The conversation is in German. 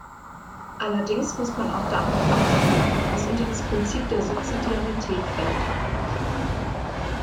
Allerdings muss man auch darauf achten, was unter das Prinzip der Subsidiarität fällt.